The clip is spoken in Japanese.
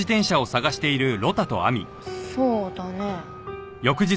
そうだね。